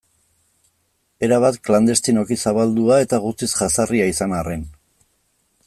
Erabat klandestinoki zabaldua eta guztiz jazarria izan arren.